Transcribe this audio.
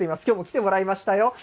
きょうも来てもらいましたよ。